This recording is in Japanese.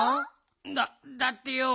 だっだってよ